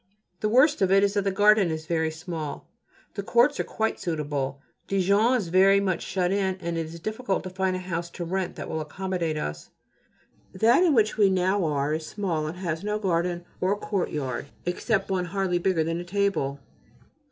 The worst of it is that the garden is very small: the courts are quite suitable. Dijon is very much shut in, and it is difficult to find a house to rent that will accommodate us. That in which we now are is small and has no garden or courtyard except one hardly bigger than a table.